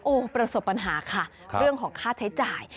โอ้โหประสบปัญหาค่ะเรื่องของค่าใช้จ่าย